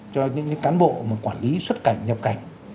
cho những cái cán bộ mà quản lý xuất cảnh nhập cảnh